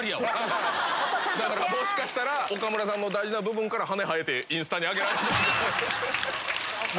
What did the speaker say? もしかしたら岡村さんの大事な部分から羽生えてインスタに上げられてるかも。